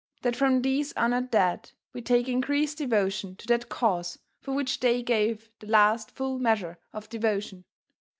. .that from these honored dead we take increased devotion to that cause for which they gave the last full measure of devotion.